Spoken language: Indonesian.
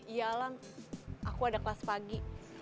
iya alan aku ada kelas pagi